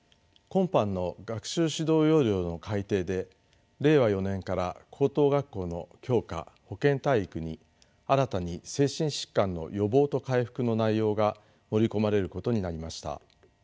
今般の学習指導要領の改訂で令和４年から高等学校の教科保健体育に新たに「精神疾患の予防と回復」の内容が盛り込まれることになりました。